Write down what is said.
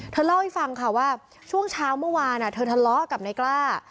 เธอเล่าให้ฟังค่ะว่าช่วงเช้าเมื่อวานเธอทะเลาะกับนายกล้า